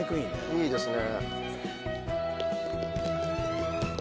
いいですね！